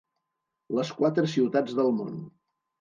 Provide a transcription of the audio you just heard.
Les quatre ciutats del món.